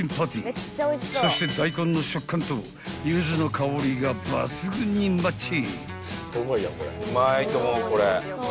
［そして大根の食感とゆずの香りが抜群にマッチ］